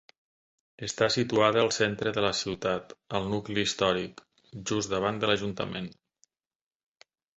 Està situada al centre de la ciutat, al nucli històric, just davant de l'ajuntament.